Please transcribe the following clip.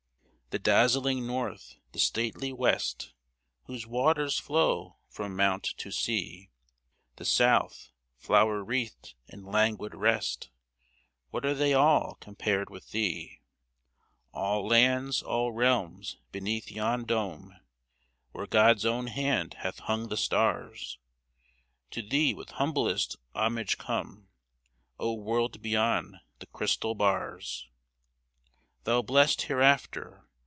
The dazzling North, the stately West, Whose waters flow from mount to sea ; The South, flower wreathed in languid rest — What are they all, compared with thee ? All lands, all realms beneath yon dome. Where God's own hand hath hung the stars. To thee with humblest homage come, O world beyond the crystal bars' ! Thou blest Hereafter